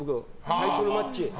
タイトルマッチ。